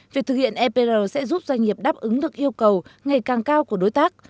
việc thực hiện epr sẽ giúp doanh nghiệp đáp ứng được yêu cầu ngày càng cao của đối tác